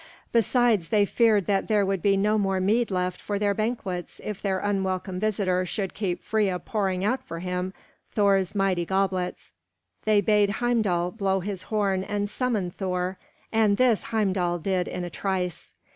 Besides, they feared that there would be no more mead left for their banquets if this unwelcome visitor should keep Freia pouring out for him Thor's mighty goblets. They bade Heimdal blow his horn and summon Thor; and this Heimdal did in a trice.